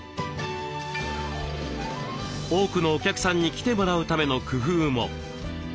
多くのお客さんに来てもらうための工夫も。